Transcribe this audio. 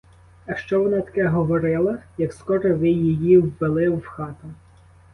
А що вона таке говорила, як скоро ви її ввели в хату?